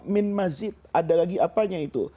min mazid ada lagi apanya itu